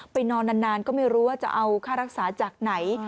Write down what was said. ไปนอนนานก็ไม่รู้ว่าจะเอาค่ารักษาจากไหน